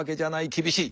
厳しい。